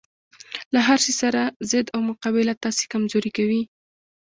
له هرشي سره ضد او مقابله تاسې کمزوري کوي